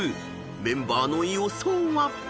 ［メンバーの予想は？］